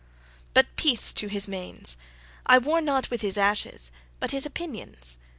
But peace to his manes! I war not with his ashes, but his opinions.